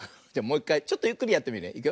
じゃもういっかいちょっとゆっくりやってみるね。